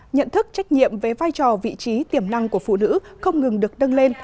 nhận thức trách nhiệm về vai trò vị trí tiềm năng của phụ nữ không ngừng được đâng lên